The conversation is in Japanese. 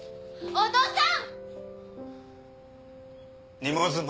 お父さん！